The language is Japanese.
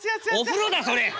お風呂だそれ！